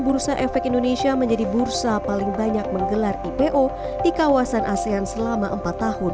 bursa efek indonesia menjadi bursa paling banyak menggelar ipo di kawasan asean selama empat tahun